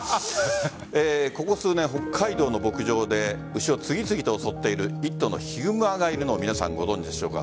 ここ数年、北海道の牧場で牛を次々と襲っている一頭のヒグマがいるのを皆さん、ご存じでしょうか。